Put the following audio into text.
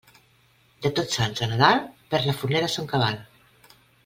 De Tots Sants a Nadal perd la fornera son cabal.